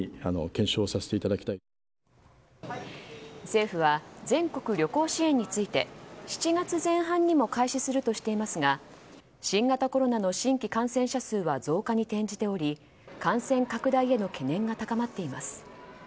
政府は全国旅行支援について７月前半にも開始するとしていますが新型コロナの新規感染者数は増加に転じており感染拡大への懸念が高まっています。